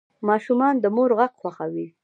ماشومان د مور غږ خوښوي.